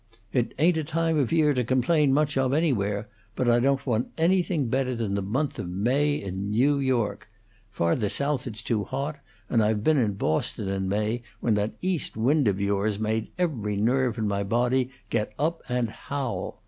"It ain't a time of year to complain much of, anywhere; but I don't want anything better than the month of May in New York. Farther South it's too hot, and I've been in Boston in May when that east wind of yours made every nerve in my body get up and howl.